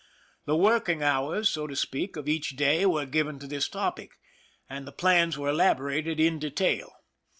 The working hours, so to speak, of each day were given to this topic, and the plans were elaborated in detail.